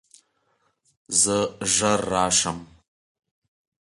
زه ژر راشم.